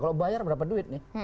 kalau bayar berapa duit nih